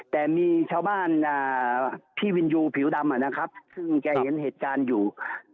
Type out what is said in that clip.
แต่มีชาวบ้านพี่วินยูผิวดำนะครับซึ่งแกเห็นเหตุการณ์อยู่